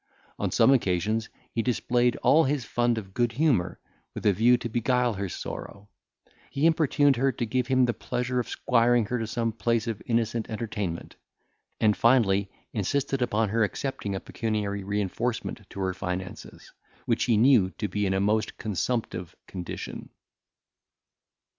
On some occasions, he displayed all his fund of good humour, with a view to beguile her sorrow; he importuned her to give him the pleasure of squiring her to some place of innocent entertainment; and, finally, insisted upon her accepting a pecuniary reinforcement to her finances, which he knew to be in a most consumptive condition.